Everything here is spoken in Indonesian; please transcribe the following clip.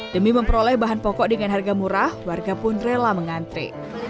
demi memperoleh bahan pokok dengan harga murah warga pun rela mengantre